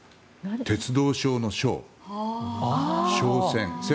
鉄道省の省省線。